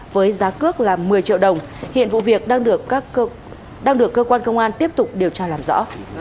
với giá cước là một mươi triệu đồng hiện vụ việc đang được cơ quan công an tiếp tục điều tra làm rõ